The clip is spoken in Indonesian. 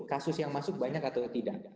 kasus yang masuk banyak atau tidak